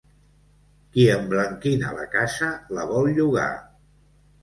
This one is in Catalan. Qui emblanquina la casa, la vol llogar.